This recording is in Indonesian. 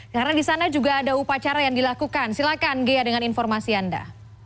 karena di sana juga ada upacara yang dilakukan silahkan ghea dengan informasi anda